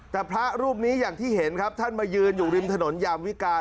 แต่พระรูปนี้อย่างที่เห็นครับท่านมายืนอยู่ริมถนนยามวิการ